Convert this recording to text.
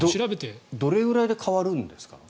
どれぐらいで変わるんですか？